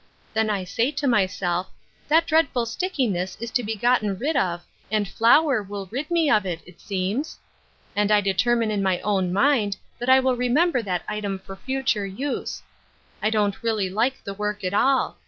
Then I say to myself, ' That dreadful stickiness is to be gotten rid of, and flour will rid me of it, it seems,' and I deter mine in my own mind that I will remember that item for future use. I don't really like the work at all.